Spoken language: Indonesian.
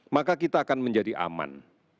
maka kita akan menjadi aman